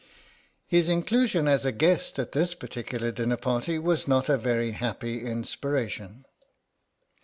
His inclusion as a guest at this particular dinner party was not a very happy inspiration.